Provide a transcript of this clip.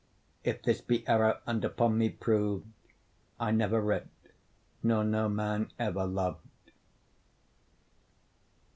If this be error and upon me prov'd, I never writ, nor no man ever lov'd.